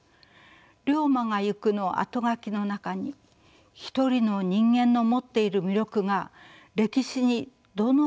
「竜馬がゆく」の後書きの中に「一人の人間の持っている魅力が歴史にどのように参加していくものか。